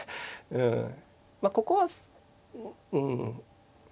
まあここはうん。